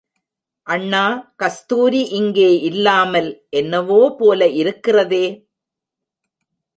அண்ணா, கஸ்தூரி இங்கே இல்லாமல் என்னவோ போல இருக்கிறதே!